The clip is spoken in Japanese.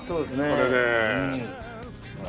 これで。